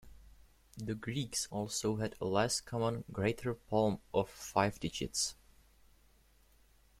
The Greeks also had a less common "greater palm" of five digits.